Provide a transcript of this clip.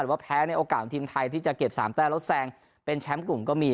แต่ว่าแพ้ในโอกาสทีมไทยที่จะเก็บ๓แต้มแล้วแซงเป็นแชมป์กลุ่มก็มี